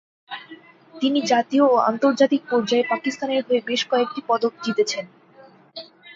তিনি জাতীয় ও আন্তর্জাতিক পর্যায়ে পাকিস্তানের হয়ে বেশ কয়েকটি পদক জিতেছেন।